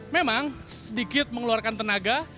memang sedikit mengeluarkan tenaga